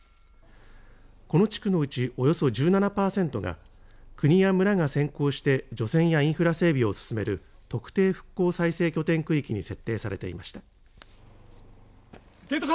この地区のうちおよそ１７パーセントが国や村が先行して除染やインフラ整備を進める特定復興再生拠点区域に設定されていました。